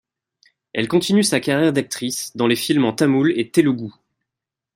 Elle continue sa carrière d'actrice dans les films en tamoul et telougou.